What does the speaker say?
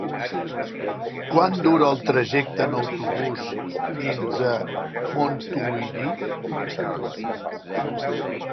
Quant dura el trajecte en autobús fins a Montuïri?